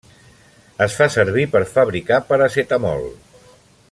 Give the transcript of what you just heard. Es fa servir per fabricar paracetamol.